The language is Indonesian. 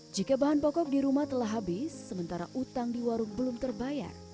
jika bahan pokok di rumah telah habis sementara utang di warung belum terbayar